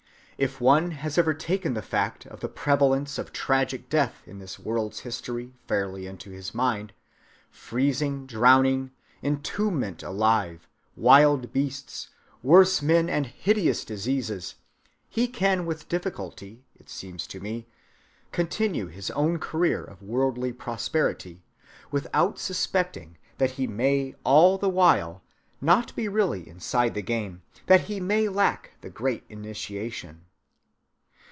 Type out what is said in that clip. If one has ever taken the fact of the prevalence of tragic death in this world's history fairly into his mind,—freezing, drowning, entombment alive, wild beasts, worse men, and hideous diseases,—he can with difficulty, it seems to me, continue his own career of worldly prosperity without suspecting that he may all the while not be really inside the game, that he may lack the great initiation.